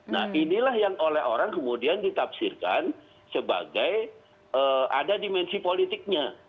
nah inilah yang oleh orang kemudian ditafsirkan sebagai ada dimensi politiknya